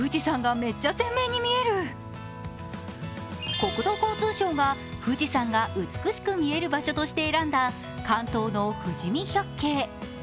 国土交通省が、富士山が美しく見える場所として選んだ関東の富士見百景。